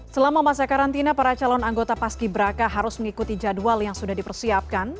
selama masa karantina para calon anggota paski braka harus mengikuti jadwal yang sudah dipersiapkan